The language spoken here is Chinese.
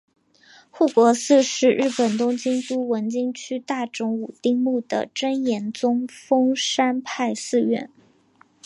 护国寺是日本东京都文京区大冢五丁目的真言宗丰山派寺院。